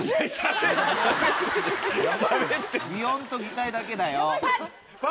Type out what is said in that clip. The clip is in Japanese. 擬音と擬態だけだよ。